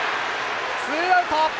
ツーアウト！